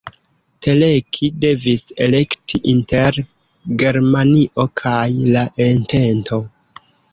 Teleki devis elekti inter Germanio kaj la entento.